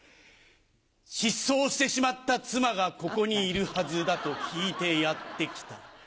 失踪してしまった妻がここにいるはずだと聞いてやって来た。